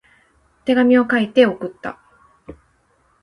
手紙を書いて送った。